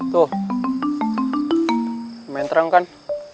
tuh main terang kan